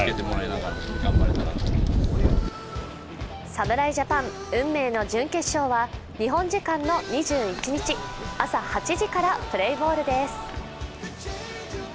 侍ジャパン、運命お重軽傷は日本時間の２１日、朝８時からプレーボールです。